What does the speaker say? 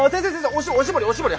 おしおしぼりおしぼり！